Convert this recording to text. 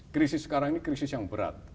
krisis sekarang ini krisis yang berat